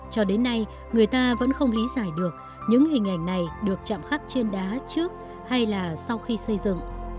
cho đến nay người ta vẫn không lý giải được những hình ảnh này được chạm khắc trên đá trước hay là sau khi xây dựng